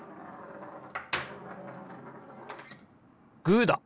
グーだ！